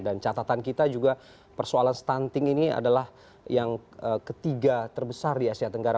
dan catatan kita juga persoalan stunting ini adalah yang ketiga terbesar di asia tenggara